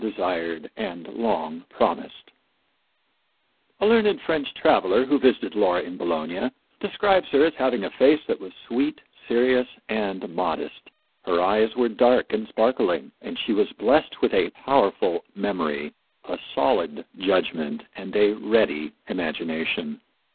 A learned French traveler who visited Laura in Bologna describes her as having a face that was sweet, serious and modest. Her eyes were dark and sparkling, and she was blessed with a powerful memory, a solid judgment, and a ready imagination.